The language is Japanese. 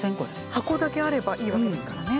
箱だけあればいいわけですからね。